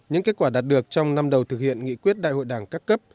những kết quả đạt được trong năm đầu thực hiện nghị quyết đại hội đảng các cấp